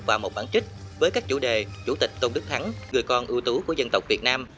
và một bản trích với các chủ đề chủ tịch tôn đức thắng người con ưu tú của dân tộc việt nam